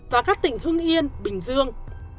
và các tỉnh hương yên bình dương